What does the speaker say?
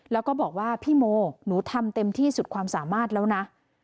แล้วก็บอกว่าพี่โมหนูทำเต็มที่สุดความสามารถแล้วนะ